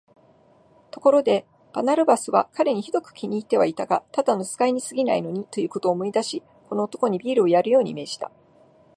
ところで、バルナバスは彼にひどく気に入ってはいたが、ただの使いにすぎないのだ、ということを思い出し、この男にビールをやるように命じた。